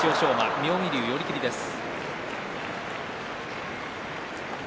妙義龍、寄り切りです。